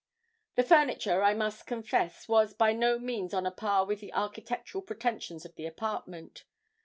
The furniture, I must confess, was by no means on a par with the architectural pretensions of the apartment.